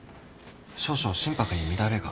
少々心拍に乱れが。